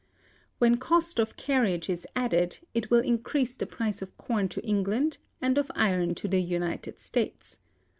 When cost of carriage is added, it will increase the price of corn to England and of iron to the United States.